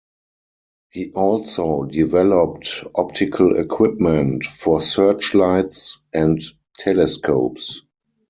He also developed optical equipment, for searchlights and telescopes.